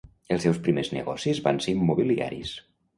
Els seus primers negocis van ser immobiliaris.